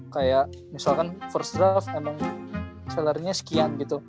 kayak misalkan first drive emang sellernya sekian gitu